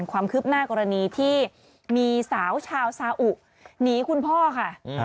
ความคืบหน้ากรณีที่มีสาวชาวซาอุหนีคุณพ่อค่ะ